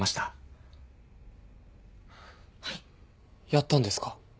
やったんですか？